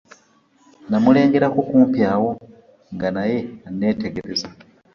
Namulengerako okumpi awo nga naye anneetegereza.